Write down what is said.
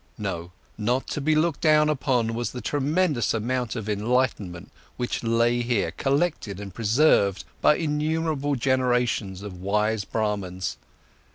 No, not to be looked down upon was the tremendous amount of enlightenment which lay here collected and preserved by innumerable generations of wise Brahmans.